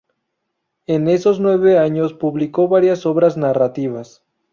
En esos nueve años publicó varias obras narrativas.